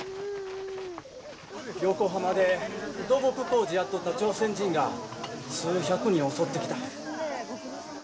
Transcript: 横浜で土木工事やっとった朝鮮人が数百人襲ってきた。